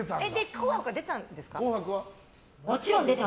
「紅白」は出たんですか？